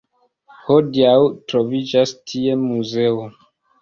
Hodiaŭ troviĝas tie muzeo.